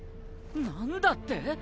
なんだって！？